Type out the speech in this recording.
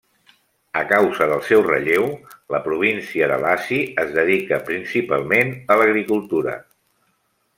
A causa del seu relleu, la província de Iaşi es dedica principalment a l'agricultura.